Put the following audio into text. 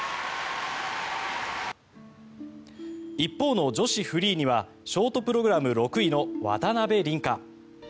一方の女子フリーにはショートプログラム６位の渡辺倫果。